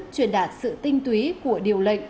truyền đạt sự tinh túy của điều lệnh